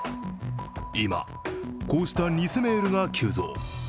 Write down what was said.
今、こうした偽メールが急増。